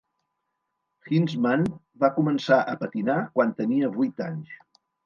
Hinzmann va començar a patinar quan tenia vuit anys.